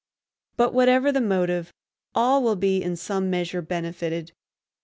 But, whatever the motive, all will be in some measure benefited.